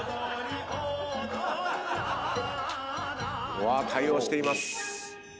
うわ対応しています。